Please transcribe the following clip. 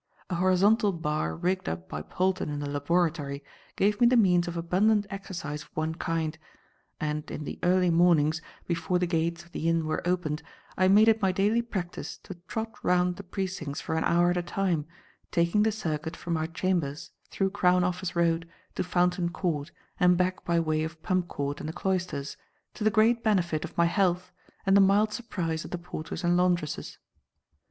A horizontal bar rigged up by Polton in the laboratory, gave me the means of abundant exercise of one kind; and in the early mornings, before the gates of the inn were opened, I made it my daily practice to trot round the precincts for an hour at a time, taking the circuit from our chambers through Crown Office Road to Fountain Court and back by way of Pump Court and the Cloisters, to the great benefit of my health and the mild surprise of the porters and laundresses.